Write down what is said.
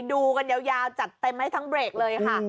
ดูกันยาวจัดเต็มให้ทั้งเบรกเลยค่ะ